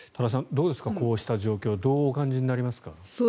どうですか、こうした状況どうお感じになりますか？